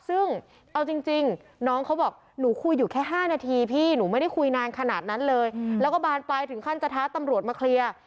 ซึ่งเอาจริงน้องเขาบอกหนูคุยอยู่แค่๕นาทีพี่หนูไม่ได้คุยนานขนาดนั้นเลยแล้วก็บานปลายถึงขั้นจะท้าตำรวจมาเคลียร์